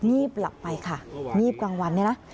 นีบหลับไปค่ะนีบกลางวันนะ